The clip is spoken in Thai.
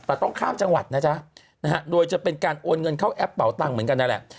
แต่ต้องข้ามจังหวัดนะจ๊ะนะฮะโดยจะเป็นการโอนเงินเข้าแอปเป่าตังค์เหมือนกันนั่นแหละ